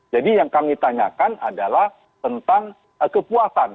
jadi yang kami tanyakan adalah tentang kepuasan